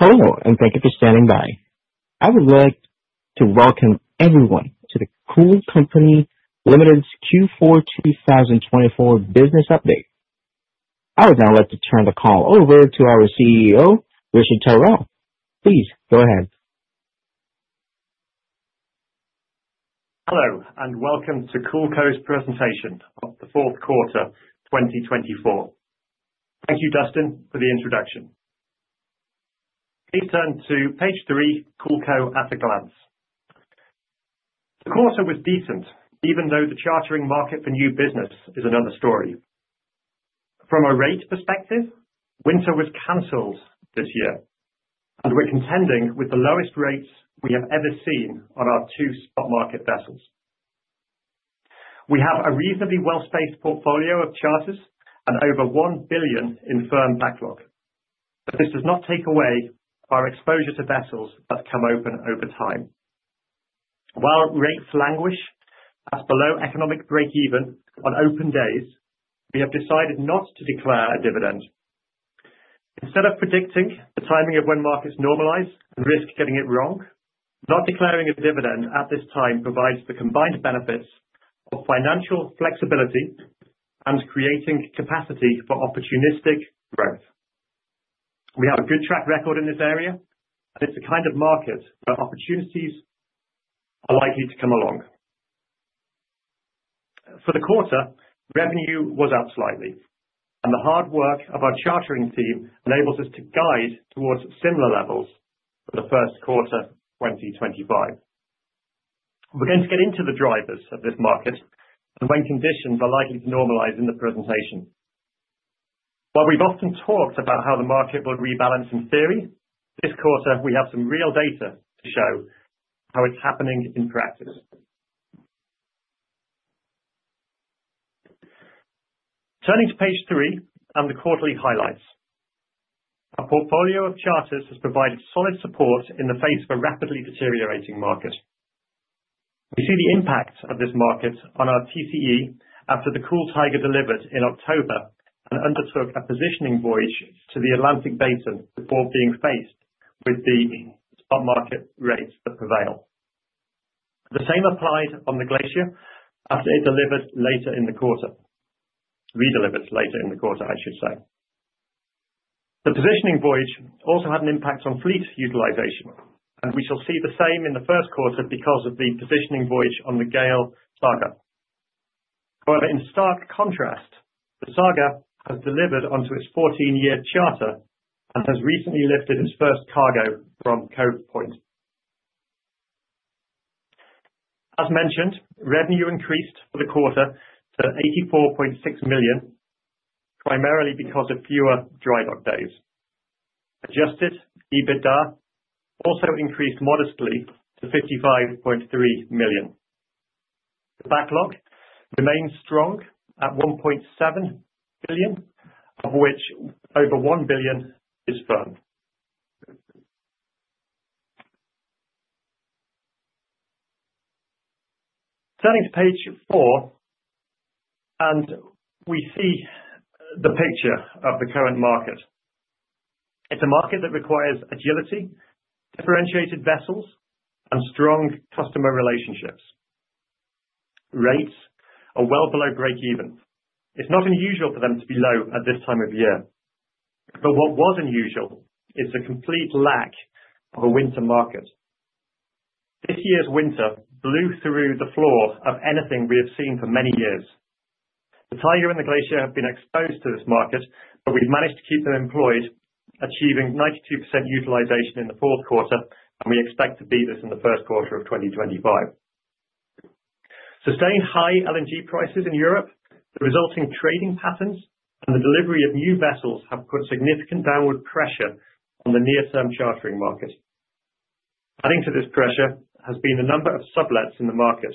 Hello, and thank you for standing by. I would like to welcome everyone to the Cool Company Limited's Q4 2024 business update. I would now like to turn the call over to our CEO, Richard Tyrrell. Please go ahead. Hello, and welcome to CoolCo's presentation of the fourth quarter 2024. Thank you, Justin, for the introduction. Please turn to page three, CoolCo at a glance. The quarter was decent, even though the chartering market for new business is another story. From a rate perspective, winter was canceled this year, and we're contending with the lowest rates we have ever seen on our two spot market vessels. We have a reasonably well-spaced portfolio of charters and over $1 billion in firm backlog, but this does not take away our exposure to vessels that come open over time. While rates languish at below economic break-even on open days, we have decided not to declare a dividend. Instead of predicting the timing of when markets normalize and risk getting it wrong, not declaring a dividend at this time provides the combined benefits of financial flexibility and creating capacity for opportunistic growth. We have a good track record in this area, and it's the kind of market where opportunities are likely to come along. For the quarter, revenue was up slightly, and the hard work of our chartering team enables us to guide towards similar levels for the first quarter 2025. We're going to get into the drivers of this market and when conditions are likely to normalize in the presentation. While we've often talked about how the market will rebalance in theory, this quarter we have some real data to show how it's happening in practice. Turning to page three and the quarterly highlights, our portfolio of charters has provided solid support in the face of a rapidly deteriorating market. We see the impact of this market on our TCE after the Kool Tiger delivered in October and undertook a positioning voyage to the Atlantic Basin before being faced with the spot market rates that prevail. The same applied on the Glacier after it delivered later in the quarter, redelivered later in the quarter, I should say. The positioning voyage also had an impact on fleet utilization, and we shall see the same in the first quarter because of the positioning voyage on the GAIL Sagar. However, in stark contrast, the Sagar has delivered onto its 14-year charter and has recently lifted its first cargo from Cove Point. As mentioned, revenue increased for the quarter to $84.6 million, primarily because of fewer dry dock days. Adjusted EBITDA also increased modestly to $55.3 million. The backlog remains strong at $1.7 billion, of which over $1 billion is firm. Turning to page four, we see the picture of the current market. It's a market that requires agility, differentiated vessels, and strong customer relationships. Rates are well below break-even. It's not unusual for them to be low at this time of year, but what was unusual is the complete lack of a winter market. This year's winter blew through the floor of anything we have seen for many years. The Tiger and the Glacier have been exposed to this market, but we've managed to keep them employed, achieving 92% utilization in the fourth quarter, and we expect to beat this in the first quarter of 2025. Sustained high LNG prices in Europe, the resulting trading patterns, and the delivery of new vessels have put significant downward pressure on the near-term chartering market. Adding to this pressure has been the number of sublets in the market.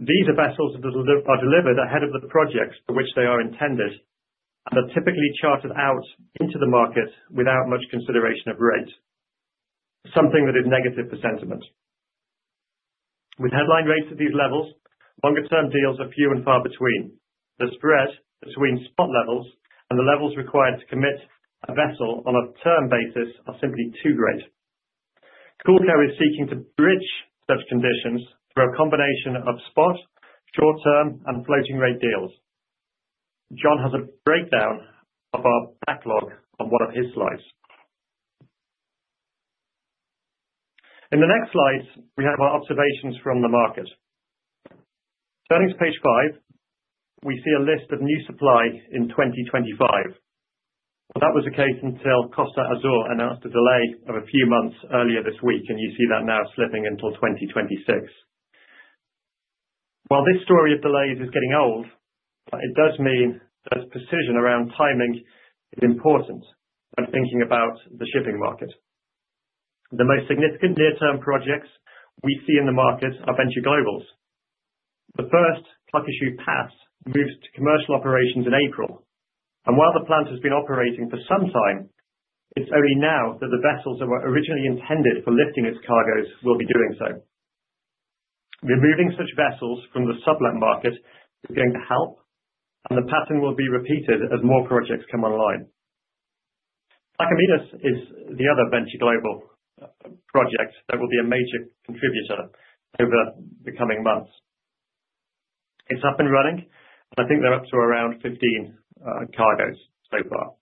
These are vessels that are delivered ahead of the projects for which they are intended and are typically chartered out into the market without much consideration of rate, something that is negative for sentiment. With headline rates at these levels, longer-term deals are few and far between. The spread between spot levels and the levels required to commit a vessel on a term basis are simply too great. CoolCo is seeking to bridge such conditions through a combination of spot, short-term, and floating-rate deals. John has a breakdown of our backlog on one of his slides. In the next slides, we have our observations from the market. Turning to page five, we see a list of new supply in 2025. That was the case until Costa Azur announced a delay of a few months earlier this week, and you see that now slipping until 2026. While this story of delays is getting old, it does mean that precision around timing is important when thinking about the shipping market. The most significant near-term projects we see in the market are Venture Global's. The first Calcasieu Pass moves to commercial operations in April, and while the plant has been operating for some time, it's only now that the vessels that were originally intended for lifting its cargoes will be doing so. Removing such vessels from the sublet market is going to help, and the pattern will be repeated as more projects come online. Plaquemines is the other Venture Global project that will be a major contributor over the coming months. It's up and running, and I think they're up to around 15 cargoes so far.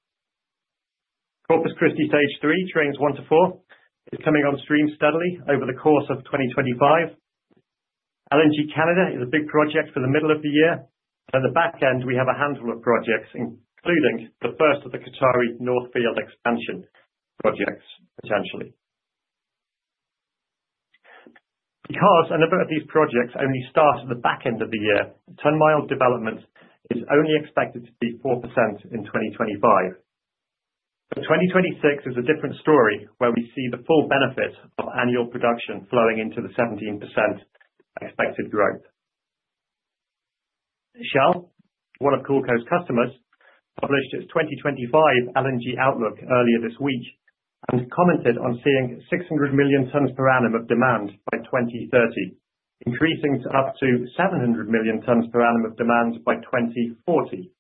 Corpus Christi Stage Three, Trains One to Four, is coming on stream steadily over the course of 2025. LNG Canada is a big project for the middle of the year, and at the back end, we have a handful of projects, including the first of the Qatari North Field expansion projects potentially. Because a number of these projects only start at the back end of the year, ton-mile development is only expected to be 4% in 2025. But 2026 is a different story, where we see the full benefit of annual production flowing into the 17% expected growth. Shell, one of CoolCo's customers, published its 2025 LNG outlook earlier this week and commented on seeing 600 million tons per annum of demand by 2030, increasing to up to 700 million tons per annum of demand by 2040.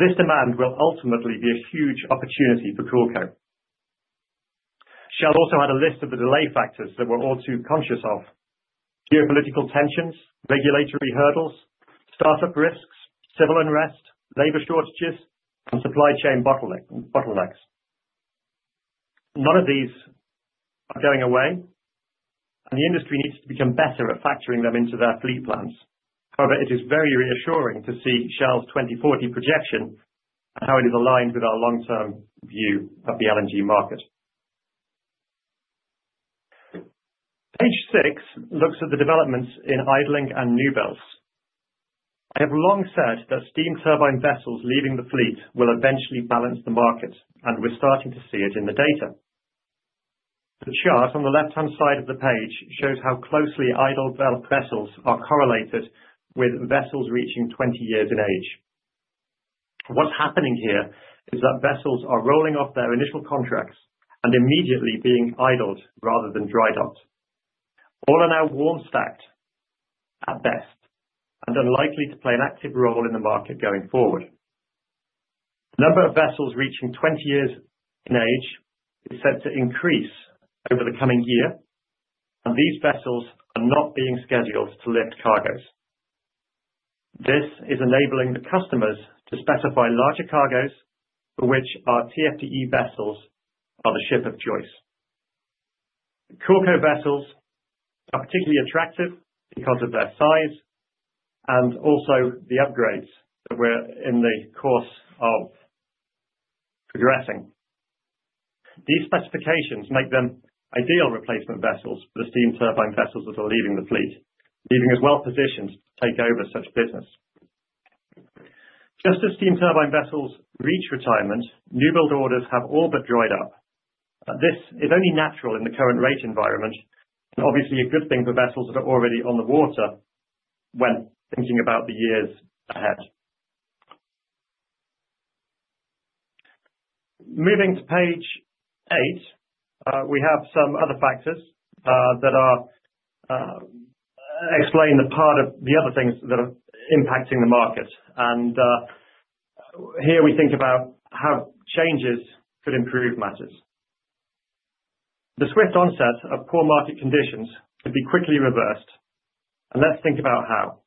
This demand will ultimately be a huge opportunity for CoolCo. Shell also had a list of the delay factors that we're all too conscious of: geopolitical tensions, regulatory hurdles, startup risks, civil unrest, labor shortages, and supply chain bottlenecks. None of these are going away, and the industry needs to become better at factoring them into their fleet plans. However, it is very reassuring to see Shell's 2040 projection and how it is aligned with our long-term view of the LNG market. Page six looks at the developments in idling and newbuilds. I have long said that steam turbine vessels leaving the fleet will eventually balance the market, and we're starting to see it in the data. The chart on the left-hand side of the page shows how closely idled vessels are correlated with vessels reaching 20 years in age. What's happening here is that vessels are rolling off their initial contracts and immediately being idled rather than dry docked. All are now warm stacked at best and unlikely to play an active role in the market going forward. The number of vessels reaching 20 years in age is set to increase over the coming year, and these vessels are not being scheduled to lift cargoes. This is enabling the customers to specify larger cargoes, for which our TFDE vessels are the ship of choice. CoolCo vessels are particularly attractive because of their size and also the upgrades that we're in the course of progressing. These specifications make them ideal replacement vessels for the steam turbine vessels that are leaving the fleet, leaving us well-positioned to take over such business. Just as steam turbine vessels reach retirement, new build orders have all but dried up. This is only natural in the current rate environment and obviously a good thing for vessels that are already on the water when thinking about the years ahead. Moving to page eight, we have some other factors that explain the part of the other things that are impacting the market, and here we think about how changes could improve matters. The swift onset of poor market conditions could be quickly reversed, and let's think about how.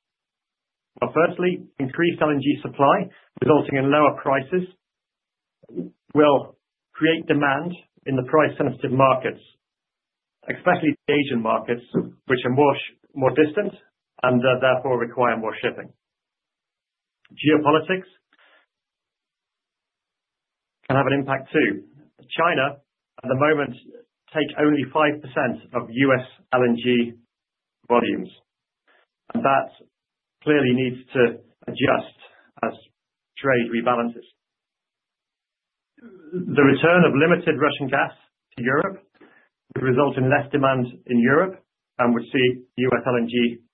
Firstly, increased LNG supply resulting in lower prices will create demand in the price-sensitive markets, especially the Asian markets, which are more distant and therefore require more shipping. Geopolitics can have an impact too. China, at the moment, takes only 5% of U.S. LNG volumes, and that clearly needs to adjust as trade rebalances. The return of limited Russian gas to Europe would result in less demand in Europe, and we see U.S. LNG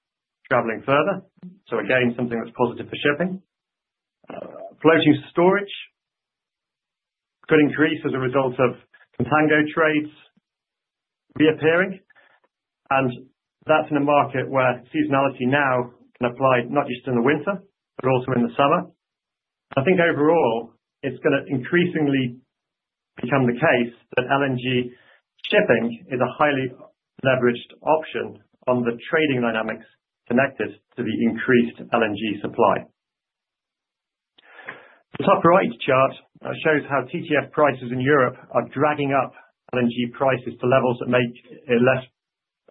traveling further, so again, something that's positive for shipping. Floating storage could increase as a result of contango trades reappearing, and that's in a market where seasonality now can apply not just in the winter but also in the summer. I think overall it's going to increasingly become the case that LNG shipping is a highly leveraged option on the trading dynamics connected to the increased LNG supply. The top right chart shows how TTF prices in Europe are dragging up LNG prices to levels that make it less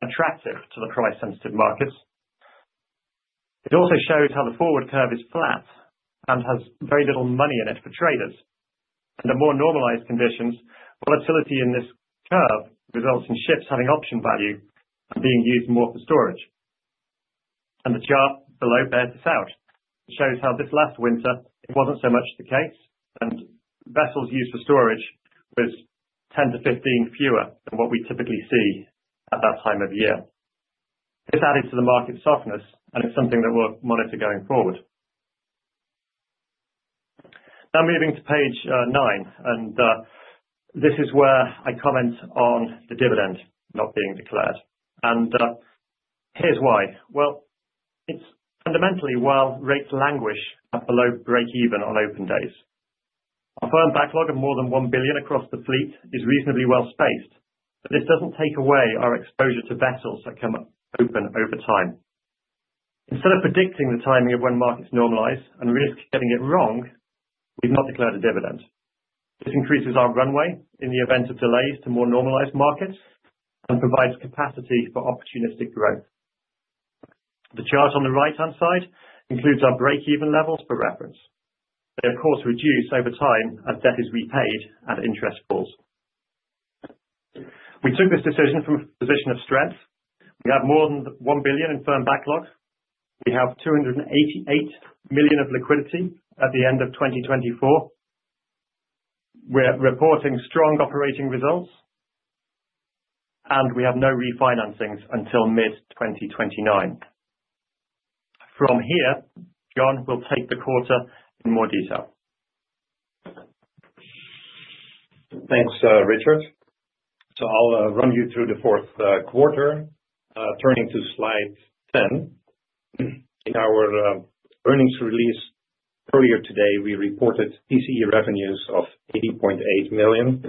attractive to the price-sensitive markets. It also shows how the forward curve is flat and has very little money in it for traders. Under more normalized conditions, volatility in this curve results in ships having option value and being used more for storage. The chart below bears this out. It shows how this last winter it wasn't so much the case, and vessels used for storage were 10-15 fewer than what we typically see at that time of year. This added to the market's softness, and it's something that we'll monitor going forward. Now moving to page nine, and this is where I comment on the dividend not being declared, and here's why. It's fundamentally while rates languish below break-even on open days. A firm backlog of more than $1 billion across the fleet is reasonably well spaced, but this doesn't take away our exposure to vessels that come open over time. Instead of predicting the timing of when markets normalize and risk getting it wrong, we've not declared a dividend. This increases our runway in the event of delays to more normalized markets and provides capacity for opportunistic growth. The chart on the right-hand side includes our break-even levels for reference. They, of course, reduce over time as debt is repaid and interest falls. We took this decision from a position of strength. We have more than $1 billion in firm backlog. We have $288 million of liquidity at the end of 2024. We're reporting strong operating results, and we have no refinancings until mid-2029. From here, John will take the quarter in more detail. Thanks, Richard. So I'll run you through the fourth quarter, turning to slide 10. In our earnings release earlier today, we reported TCE revenues of $80.8 million,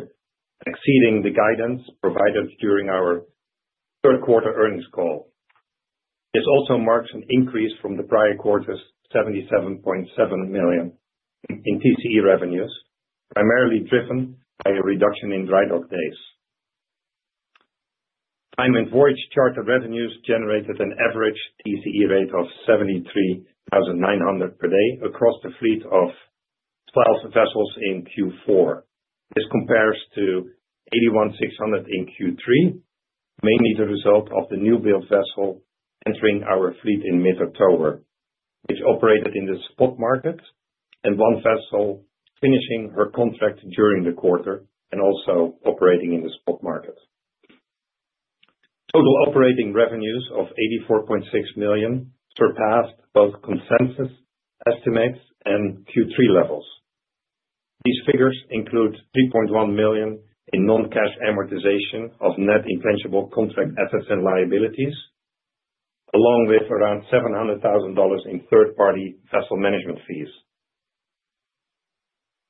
exceeding the guidance provided during our third-quarter earnings call. This also marks an increase from the prior quarter's $77.7 million in TCE revenues, primarily driven by a reduction in dry dock days. Time and voyage charter revenues generated an average TCE rate of $73,900 per day across the fleet of 12 vessels in Q4. This compares to $81,600 in Q3, mainly the result of the new build vessel entering our fleet in mid-October, which operated in the spot market, and one vessel finishing her contract during the quarter and also operating in the spot market. Total operating revenues of $84.6 million surpassed both consensus estimates and Q3 levels. These figures include $3.1 million in non-cash amortization of net intangible contract assets and liabilities, along with around $700,000 in third-party vessel management fees.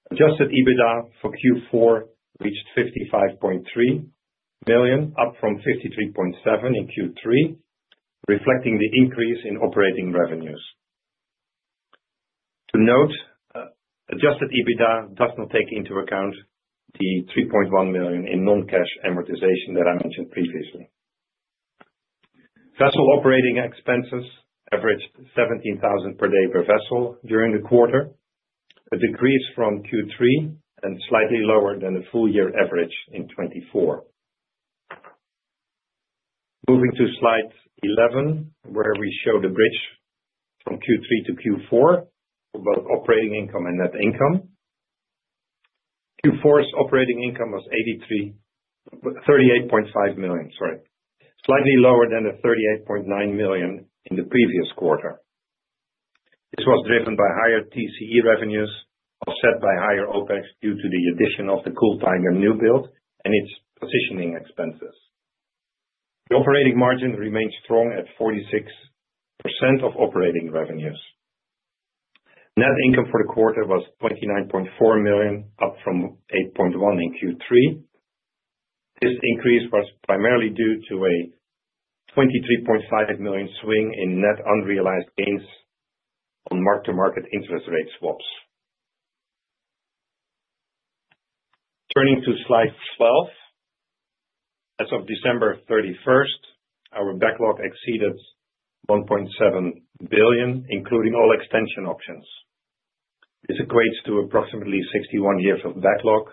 Adjusted EBITDA for Q4 reached $55.3 million, up from $53.7 in Q3, reflecting the increase in operating revenues. To note, Adjusted EBITDA does not take into account the $3.1 million in non-cash amortization that I mentioned previously. Vessel operating expenses averaged $17,000 per day per vessel during the quarter, a decrease from Q3 and slightly lower than the full-year average in 2024. Moving to slide 11, where we show the bridge from Q3 to Q4 for both operating income and net income. Q4's operating income was $38.5 million, slightly lower than the $38.9 million in the previous quarter. This was driven by higher TCE revenues offset by higher OpEx due to the addition of the Kool Tiger and new build and its positioning expenses. The operating margin remained strong at 46% of operating revenues. Net income for the quarter was $29.4 million, up from $8.1 in Q3. This increase was primarily due to a $23.5 million swing in net unrealized gains on mark-to-market interest rate swaps. Turning to slide 12, as of December 31st, our backlog exceeded $1.7 billion, including all extension options. This equates to approximately 61 years of backlog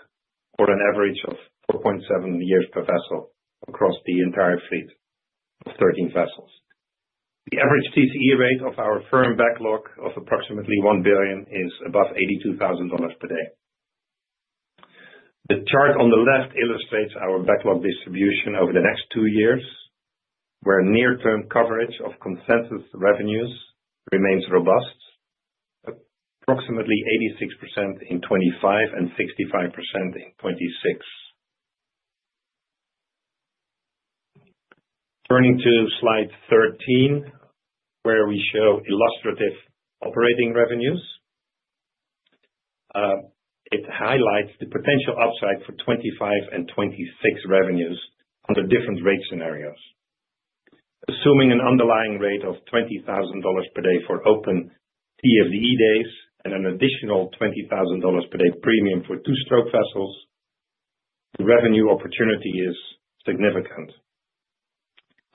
for an average of 4.7 years per vessel across the entire fleet of 13 vessels. The average TCE rate of our firm backlog of approximately $1 billion is above $82,000 per day. The chart on the left illustrates our backlog distribution over the next two years, where near-term coverage of consensus revenues remains robust, approximately 86% in 2025 and 65% in 2026. Turning to slide 13, where we show illustrative operating revenues, it highlights the potential upside for 2025 and 2026 revenues under different rate scenarios. Assuming an underlying rate of $20,000 per day for open TFDE days and an additional $20,000 per day premium for two-stroke vessels, the revenue opportunity is significant.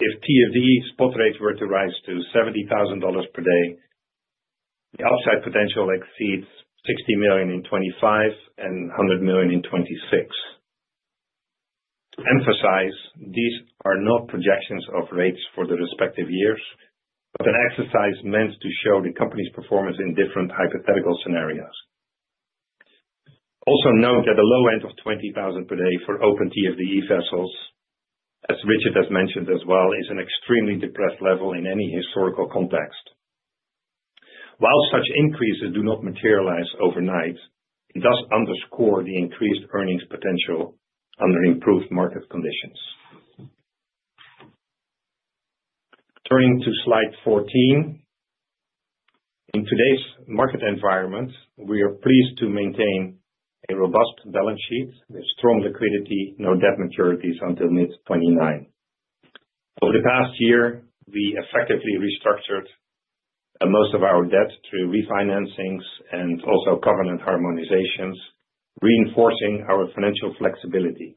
If TFDE spot rates were to rise to $70,000 per day, the upside potential exceeds $60 million in 2025 and $100 million in 2026. To emphasize, these are not projections of rates for the respective years, but an exercise meant to show the company's performance in different hypothetical scenarios. Also note that the low end of $20,000 per day for open TFDE vessels, as Richard has mentioned as well, is an extremely depressed level in any historical context. While such increases do not materialize overnight, it does underscore the increased earnings potential under improved market conditions. Turning to slide 14, in today's market environment, we are pleased to maintain a robust balance sheet with strong liquidity, no debt maturities until mid-2029. Over the past year, we effectively restructured most of our debt through refinancings and also covenant harmonizations, reinforcing our financial flexibility.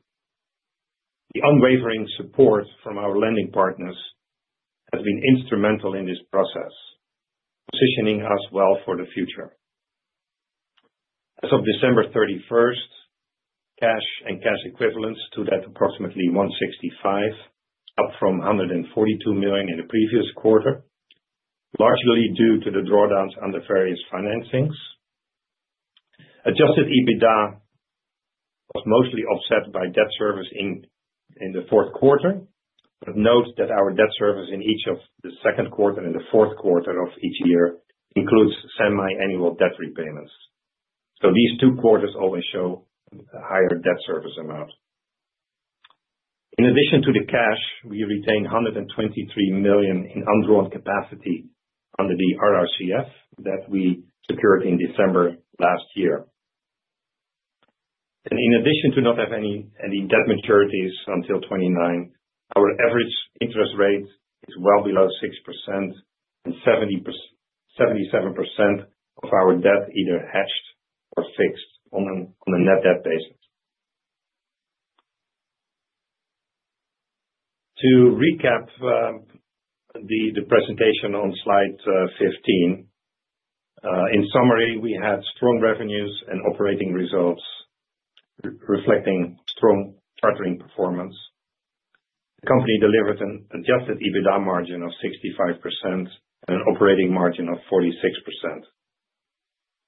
The unwavering support from our lending partners has been instrumental in this process, positioning us well for the future. As of December 31st, cash and cash equivalents totaled at approximately $165 million, up from $142 million in the previous quarter, largely due to the drawdowns under various financings. Adjusted EBITDA was mostly offset by debt service in the fourth quarter, but note that our debt service in each of the second quarter and the fourth quarter of each year includes semi-annual debt repayments. These two quarters always show a higher debt service amount. In addition to the cash, we retained $123 million in undrawn capacity under the RRCF that we secured in December last year. In addition to not having any debt maturities until 2029, our average interest rate is well below 6%, and 77% of our debt is either hedged or fixed on a net debt basis. To recap the presentation on slide 15, in summary, we had strong revenues and operating results reflecting strong chartering performance. The company delivered an adjusted EBITDA margin of 65% and an operating margin of 46%.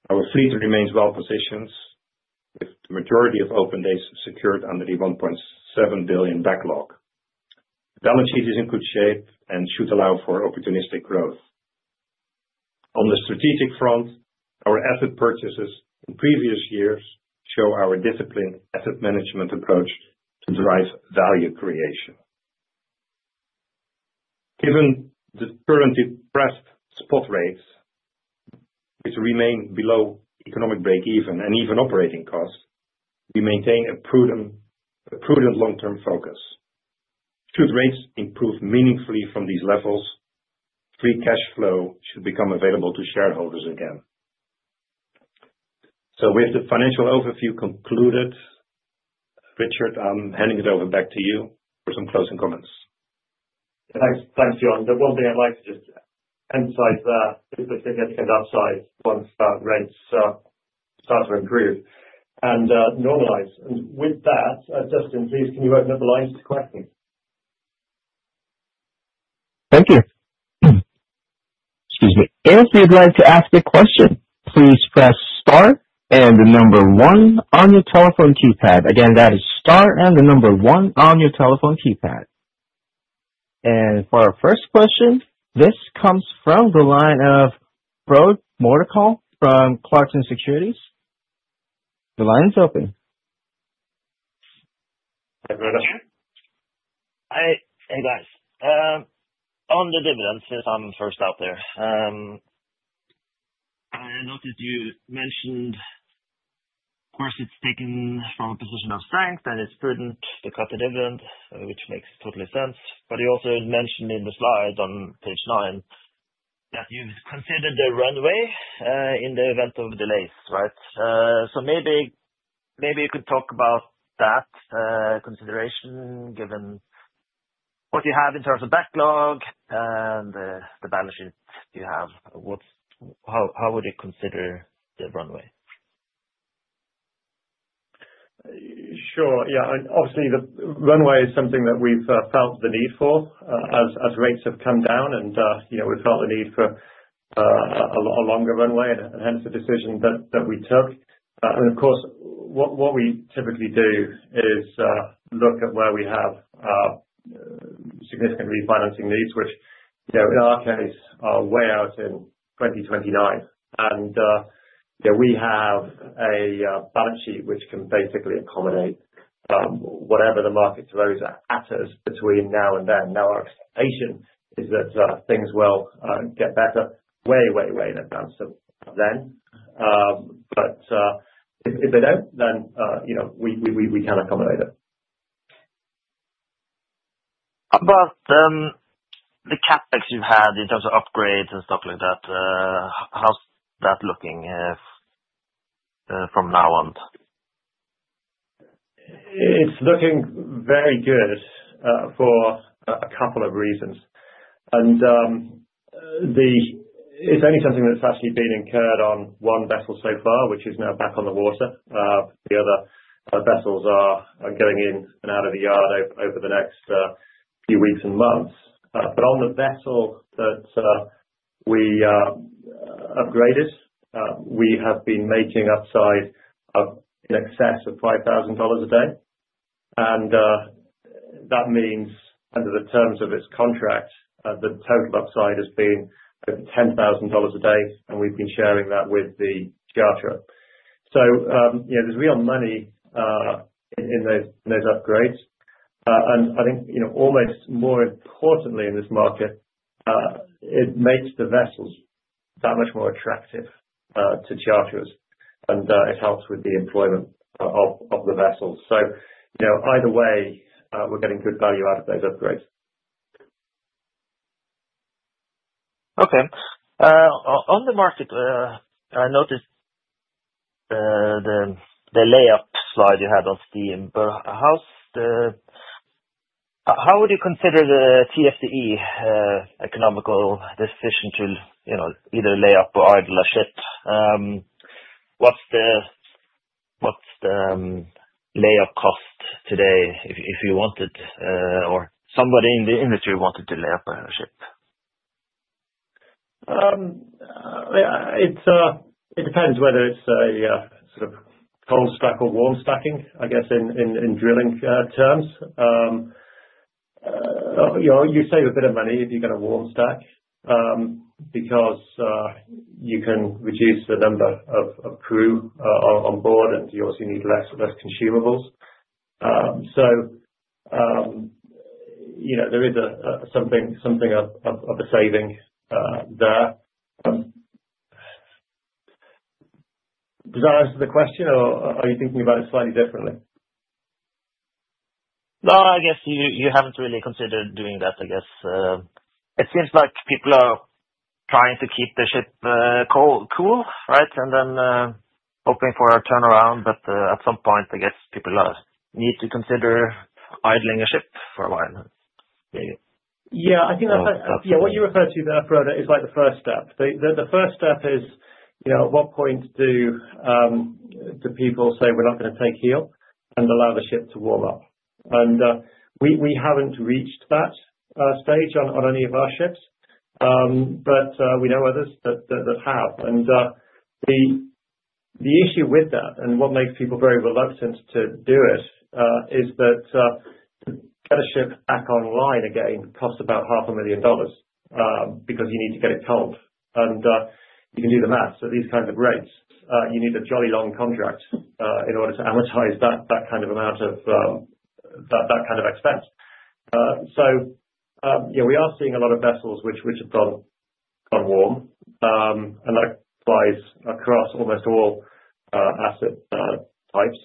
Our fleet remains well positioned, with the majority of open days secured under the $1.7 billion backlog. Balance sheet is in good shape and should allow for opportunistic growth. On the strategic front, our asset purchases in previous years show our disciplined asset management approach to drive value creation. Given the currently depressed spot rates, which remain below economic break-even and even operating costs, we maintain a prudent long-term focus. Should rates improve meaningfully from these levels, free cash flow should become available to shareholders again. So with the financial overview concluded, Richard, I'm handing it over back to you for some closing comments. Thanks, John. The one thing I'd like to just emphasize is the significant upside once rates start to improve and normalize. And with that, Justin, please can you open up the lines to questions? Thank you. Excuse me. If you'd like to ask a question, please press star and the number one on your telephone keypad. Again, that is star and the number one on your telephone keypad. And for our first question, this comes from the line of Frode Mørkedal from Clarksons Securities. The line is open. Hi, Richard. Hey, guys. On the dividends, since I'm first out there, I noticed you mentioned, of course, it's taken from a position of strength and it's prudent to cut the dividend, which makes totally sense. But you also mentioned in the slide on page nine that you considered the runway in the event of delays, right? So maybe you could talk about that consideration given what you have in terms of backlog and the balance sheet you have. How would you consider the runway? Sure. Yeah. Obviously, the runway is something that we've felt the need for as rates have come down, and we felt the need for a longer runway, and hence the decision that we took. And of course, what we typically do is look at where we have significant refinancing needs, which in our case are way out in 2029. And we have a balance sheet which can basically accommodate whatever the market throws at us between now and then. Now, our expectation is that things will get better way, way, way in advance of then. But if they don't, then we can accommodate it. About the CapEx you've had in terms of upgrades and stuff like that, how's that looking from now on? It's looking very good for a couple of reasons, and it's only something that's actually been incurred on one vessel so far, which is now back on the water. The other vessels are going in and out of the yard over the next few weeks and months, but on the vessel that we upgraded, we have been making upside in excess of $5,000 a day, and that means under the terms of its contract, the total upside has been $10,000 a day, and we've been sharing that with the charter, so there's real money in those upgrades, and I think almost more importantly in this market, it makes the vessels that much more attractive to charterers, and it helps with the employment of the vessels. So either way, we're getting good value out of those upgrades. Okay. On the market, I noticed the layup slide you had on steam, but how would you consider the TFDE economical decision to either lay up or idle a ship? What's the layup cost today if you wanted, or somebody in the industry wanted to lay up a ship? It depends whether it's a sort of cold stack or warm stacking, I guess, in drilling terms. You save a bit of money if you get a warm stack because you can reduce the number of crew on board, and you obviously need less consumables. So there is something of a saving there. Does that answer the question, or are you thinking about it slightly differently? No, I guess you haven't really considered doing that, I guess. It seems like people are trying to keep the ship cool, right, and then hoping for a turnaround. But at some point, I guess people need to consider idling a ship for a while. Yeah. I think that's what you referred to there, Frode, is like the first step. The first step is at what point do people say, "We're not going to take heel and allow the ship to warm up?" And we haven't reached that stage on any of our ships, but we know others that have. And the issue with that, and what makes people very reluctant to do it, is that to get a ship back online again costs about $500,000 because you need to get it cold. And you can do the math. So these kinds of rates, you need a [jolly long contract] in order to amortize that kind of amount of that kind of expense. So we are seeing a lot of vessels which have gone warm, and that applies across almost all asset types.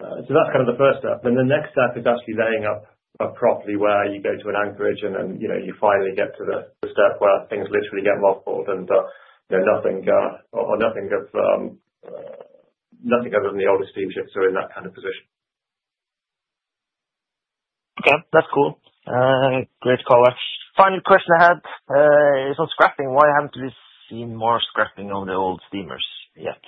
So that's kind of the first step. And the next step is actually laying up properly where you go to an anchorage, and then you finally get to the step where things literally get mothballed and nothing other than the older steamships are in that kind of position. Okay. That's cool. Great call. Final question I had is on scrapping. Why haven't we seen more scrapping on the old steamers yet?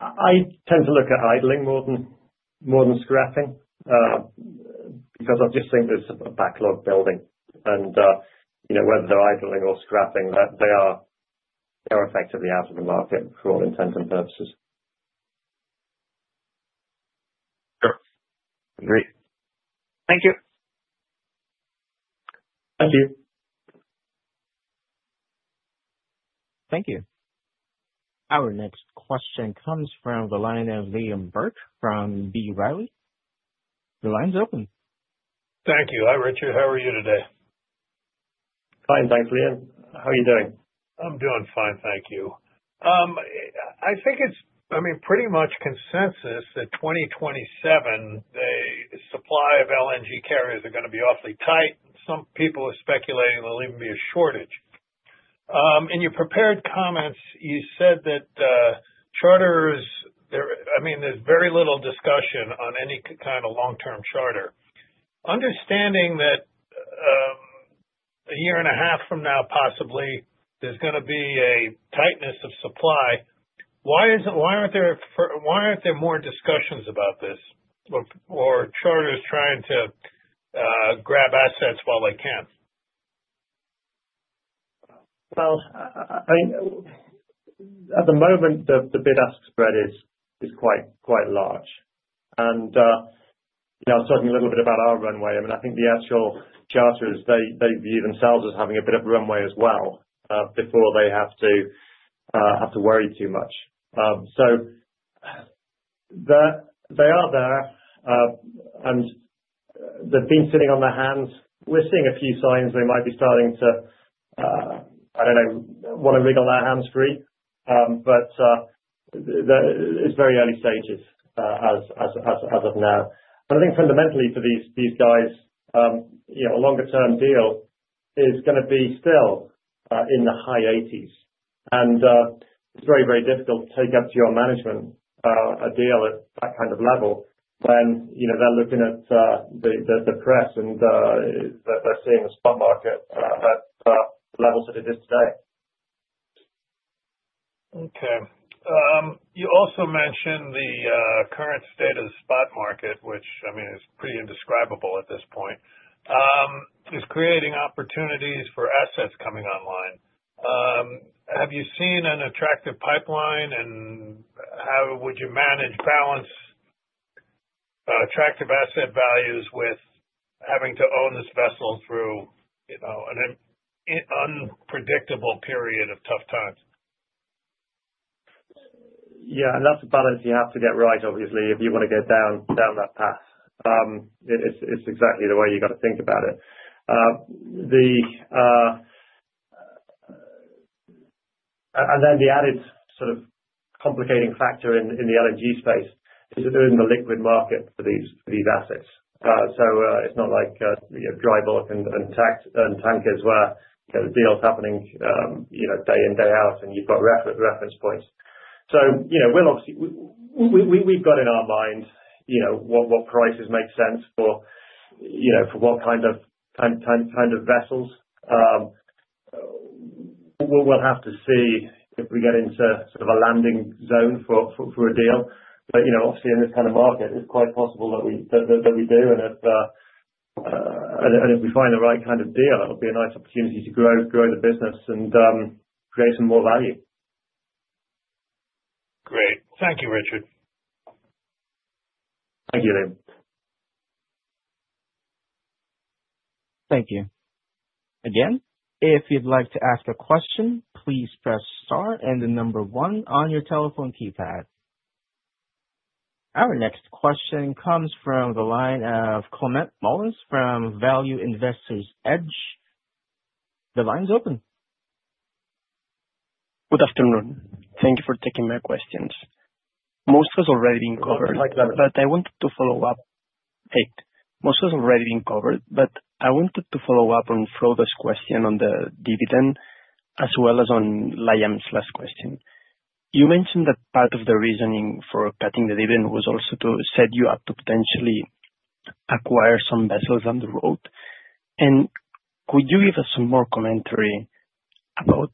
I tend to look at idling more than scrapping because I just think there's a backlog building. And whether they're idling or scrapping, they are effectively out of the market for all intents and purposes. Sure. Agree. Thank you. Thank you. Thank you. Our next question comes from the line of Liam Burke from B. Riley. The line's open. Thank you. Hi, Richard. How are you today? Fine, thanks, Liam. How are you doing? I'm doing fine, thank you. I think it's, I mean, pretty much consensus that 2027, the supply of LNG carriers are going to be awfully tight. Some people are speculating there'll even be a shortage. In your prepared comments, you said that charters, I mean, there's very little discussion on any kind of long-term charter. Understanding that a year and a half from now, possibly, there's going to be a tightness of supply, why aren't there more discussions about this or charters trying to grab assets while they can? Well, at the moment, the bid-ask spread is quite large, and I was talking a little bit about our runway. I mean, I think the actual charterers, they view themselves as having a bit of runway as well before they have to worry too much. So they are there, and they've been sitting on their hands. We're seeing a few signs they might be starting to, I don't know, want to wriggle their hands free. But it's very early stages as of now. But I think fundamentally for these guys, a longer-term deal is going to be still in the high 80s. And it's very, very difficult to take up to your management a deal at that kind of level when they're looking at the press and they're seeing the spot market at levels that it is today. Okay. You also mentioned the current state of the spot market, which, I mean, is pretty indescribable at this point, is creating opportunities for assets coming online. Have you seen an attractive pipeline, and how would you manage balance attractive asset values with having to own this vessel through an unpredictable period of tough times? Yeah. And that's a balance you have to get right, obviously, if you want to go down that path. It's exactly the way you've got to think about it. And then the added sort of complicating factor in the LNG space is that they're in the liquid market for these assets. So it's not like dry bulk and tankers where the deal's happening day in, day out, and you've got reference points. So we've got in our mind what prices make sense for what kind of vessels. We'll have to see if we get into sort of a landing zone for a deal. But obviously, in this kind of market, it's quite possible that we do. If we find the right kind of deal, it'll be a nice opportunity to grow the business and create some more value. Great. Thank you, Richard. Thank you, Liam. Thank you. Again, if you'd like to ask a question, please press star and the number one on your telephone keypad. Our next question comes from the line of Climent Molins from Value Investor's Edge. The line's open. Good afternoon. Thank you for taking my questions. Hey, most has already been covered, but I wanted to follow up on Frodo's question on the dividend as well as on Liam's last question. You mentioned that part of the reasoning for cutting the dividend was also to set you up to potentially acquire some vessels on the road. And could you give us some more commentary about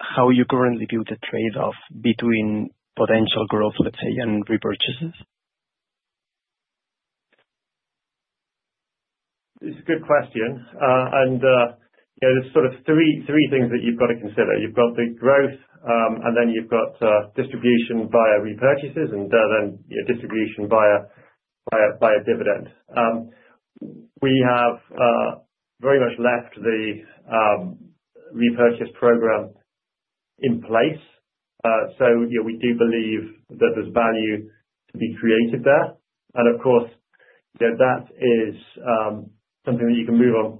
how you currently view the trade-off between potential growth, let's say, and repurchases? It's a good question. And there's sort of three things that you've got to consider. You've got the growth, and then you've got distribution via repurchases, and then distribution via dividends. We have very much left the repurchase program in place. So we do believe that there's value to be created there. And of course, that is something that you can move on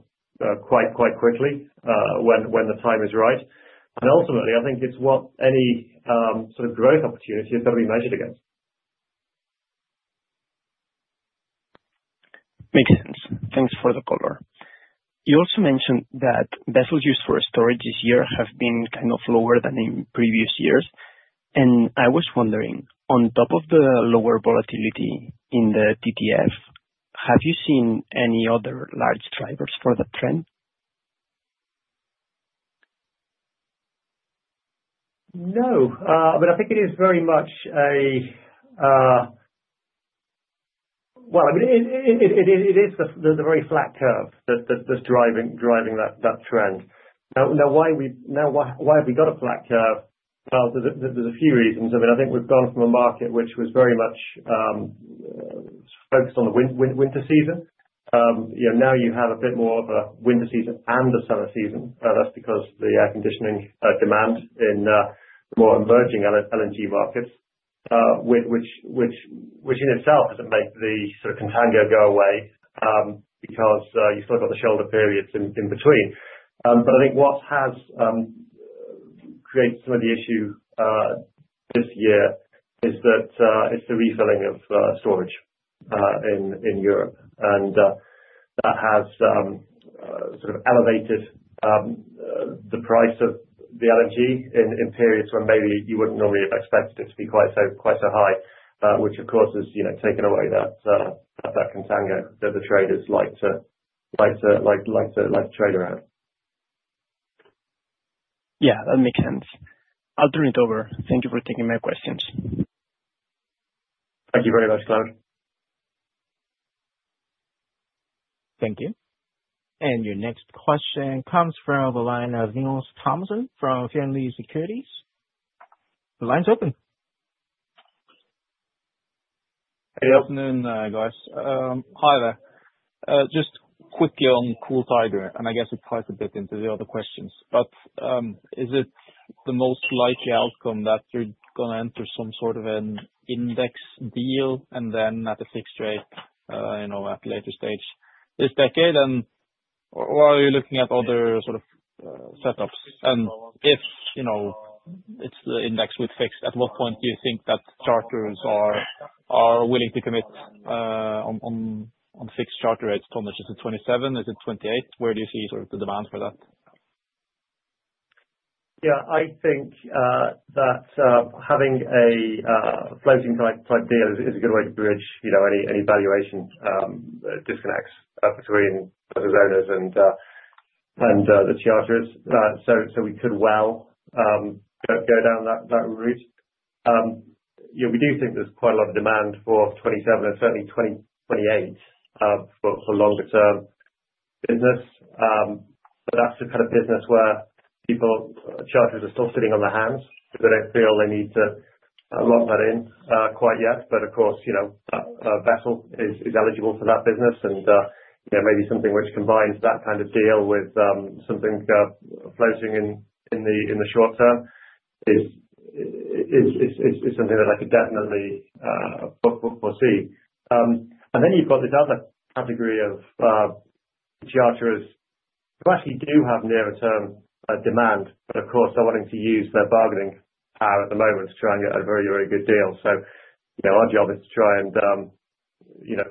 quite quickly when the time is right. And ultimately, I think it's what any sort of growth opportunity is going to be measured against. Makes sense. Thanks for the color. You also mentioned that vessels used for storage this year have been kind of lower than in previous years. And I was wondering, on top of the lower volatility in the TTF, have you seen any other large drivers for that trend? No. But I think it is very much, well, I mean, it is the very flat curve that's driving that trend. Now, why have we got a flat curve? Well, there's a few reasons. I mean, I think we've gone from a market which was very much focused on the winter season. Now you have a bit more of a winter season and a summer season. That's because of the air conditioning demand in the more emerging LNG markets, which in itself doesn't make the sort of contango go away because you've still got the shoulder periods in between. But I think what has created some of the issue this year is the refilling of storage in Europe. That has sort of elevated the price of the LNG in periods when maybe you wouldn't normally have expected it to be quite so high, which of course has taken away that contango that the traders like to trade around. Yeah. That makes sense. I'll turn it over. Thank you for taking my questions. Thank you very much, Climent. Thank you. And your next question comes from the line of Nils Thommesen from Fearnley Securities. The line's open. Hey, afternoon, guys. Hi there. Just quickly on Kool Tiger, and I guess it ties a bit into the other questions. But is it the most likely outcome that you're going to enter some sort of an index deal and then at a fixed rate at a later stage this decade? And are you looking at other sort of setups? And if it's the index with fixed, at what point do you think that charters are willing to commit on fixed charter rates? Tom, is it 2027? Is it 2028? Where do you see sort of the demand for that? Yeah. I think that having a floating-type deal is a good way to bridge any valuation disconnects between those owners and the charterers. So we could well go down that route. We do think there's quite a lot of demand for 2027 and certainly 2028 for longer-term business. But that's the kind of business where charters are still sitting on their hands because they don't feel they need to lock that in quite yet. But of course, a vessel is eligible for that business. And maybe something which combines that kind of deal with something floating in the short term is something that I could definitely foresee. And then you've got this other category of charters who actually do have nearer-term demand, but of course, they're wanting to use their bargaining power at the moment to try and get a very, very good deal. So our job is to try and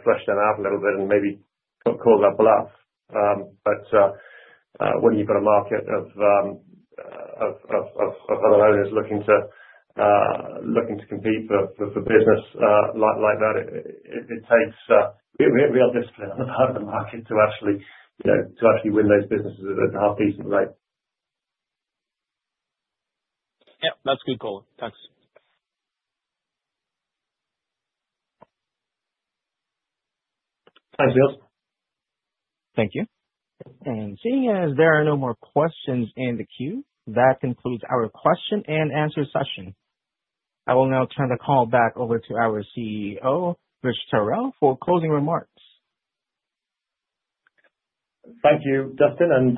flush them out a little bit and maybe cause that bluff. But when you've got a market of other owners looking to compete for business like that, it takes real discipline on the part of the market to actually win those businesses at a half-decent rate. Yep. That's a good call. Thanks. Thanks, Nils. Thank you. And seeing as there are no more questions in the queue, that concludes our question and answer session. I will now turn the call back over to our CEO, Richard Tyrrell, for closing remarks. Thank you, Justin.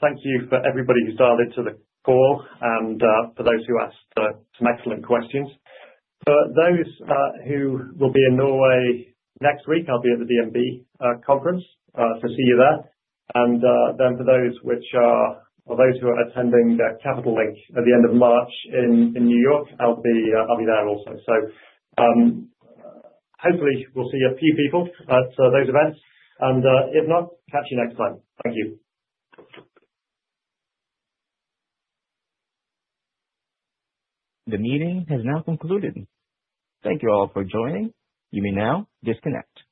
Thank you to everybody who joined the call and for those who asked some excellent questions. For those who will be in Norway next week, I'll be at the DNB conference. See you there. For those who are attending Capital Link at the end of March in New York, I'll be there also. Hopefully, we'll see a few people at those events. If not, catch you next time. Thank you. The meeting has now concluded. Thank you all for joining. You may now disconnect.